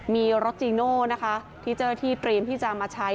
มีรอจีโน่นะคะที่เจอที่ตรีมที่จะมาใช้